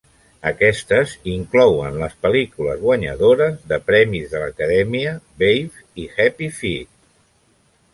Aquestes inclouen les pel·lícules guanyadores de premis de l'acadèmia "Babe" i "Happy Feet".